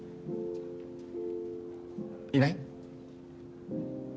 いない？